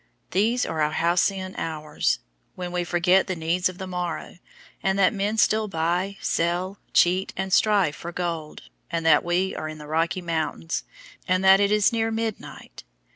These are our halcyon hours, when we forget the needs of the morrow, and that men still buy, sell, cheat, and strive for gold, and that we are in the Rocky Mountains, and that it is near midnight.